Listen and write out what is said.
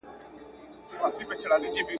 هغه پرون ناوخته کور ته ولاړی.